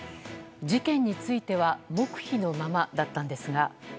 事件については黙秘のままだったんですが。